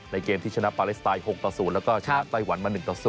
ในเกมที่ชนะปาเลสไตล์๖๐แล้วก็ช้าไตวันมา๑๐